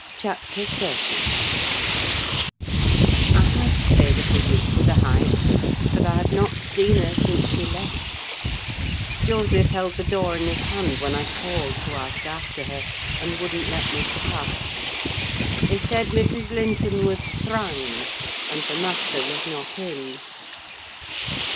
CHAPTER XXX I have paid a visit to the Heights, but I have not seen her since she left: Joseph held the door in his hand when I called to ask after her, and wouldn't let me pass. He said Mrs. Linton was "thrang," and the master was not in.